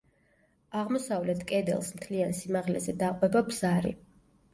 აღმოსავლეთ კედელს მთლიან სიმაღლეზე დაყვება ბზარი.